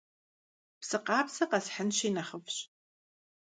Псы къабзэ къэсхьынщи нэхъыфӀщ.